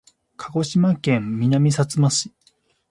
鹿児島県南さつま市